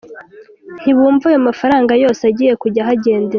Ntibumva ayo mafaranga yose agiye kujya ahagendera.